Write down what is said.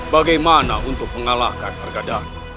bagaimana untuk mengalahkan pergadahanmu